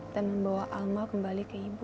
dan membawa alma kembali ke ibu